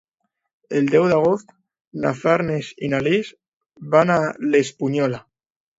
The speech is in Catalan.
El deu d'agost na Farners i na Lis van a l'Espunyola.